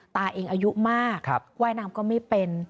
ตาเองอายุมากว่ายน้ำก็ไม่เป็น